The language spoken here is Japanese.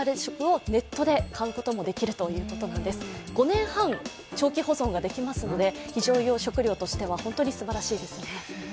５年半、長期保存ができますので非常用食料としては本当にすばらしいですね。